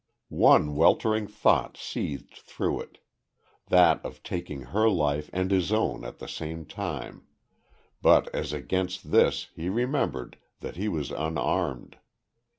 One weltering thought seethed through it that of taking her life and his own at the same time, but as against this he remembered that he was unarmed.